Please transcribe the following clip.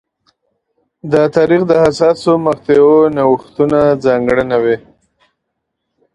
د تاریخ د حساسو مقطعو نوښتونه ځانګړنه وې.